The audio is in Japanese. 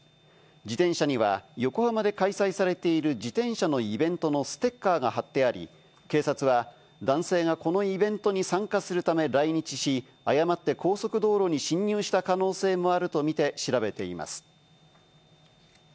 自転車には横浜で開催されている自転車のイベントのステッカーが貼ってあり、警察は男性がこのイベントに参加するため来日し、誤って高速道路に進入した可能性もあるとみて調べています。